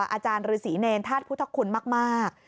อาจารย์ฤษีเนรธาตุพุทธคุณมาก